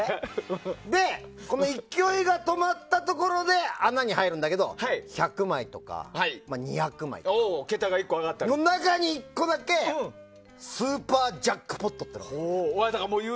勢いが止まったところで穴に入るんだけど１００枚とか２００枚の中に１個だけスーパージャックポットっていうのがある。